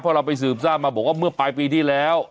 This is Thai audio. เพราะเราไปสืบทราบมาบอกว่าเมื่อปลายปีที่แล้ว